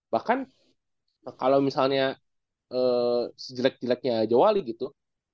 bahkan kalau misalnya sejelek jeleknya raja wali gitu